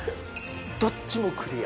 どっちもクリア。